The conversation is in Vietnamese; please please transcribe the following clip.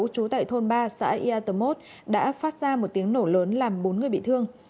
trú tại thôn ba xã yatomos đã phát ra một tiếng nổ lớn làm bốn người bị thương